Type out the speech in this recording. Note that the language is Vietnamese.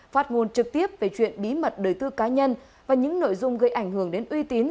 phát ngôn trực tiếp về chuyện bí mật đời tư cá nhân và những nội dung gây ảnh hưởng đến uy tín